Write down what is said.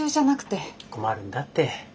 困るんだって。